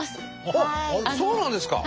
あっそうなんですか！